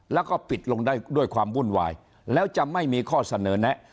แล้วก็ปิดลงได้ด้วยความวุ่นวายแล้วจะไม่มีข้อเสนอแนะ